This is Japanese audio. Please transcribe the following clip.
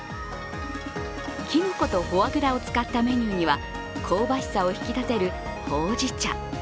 きのことフォアグラを使ったメニューには香ばしさを引き立てるほうじ茶。